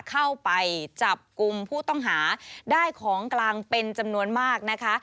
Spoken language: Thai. เข้าไปจับกลุ่มผู้ต้องหาได้ของกลางเป็นจำนวนมากนะคะ